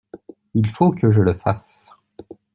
Il faut que je le fasse.